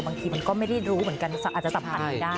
บางทีมันก็ไม่ได้รู้เหมือนกันอาจจะสัมผัสไม่ได้